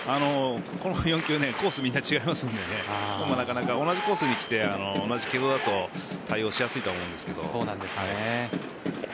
この４球コースがみんな違うのでなかなか同じコースに来て同じ軌道だと対応しやすいと思うんですけど。